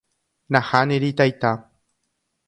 Nahániri taita